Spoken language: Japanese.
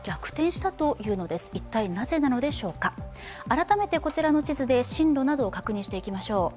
改めてこちらの地図で進路などを確認していきましょう。